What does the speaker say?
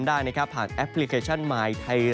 ขนาดวิทยาลัย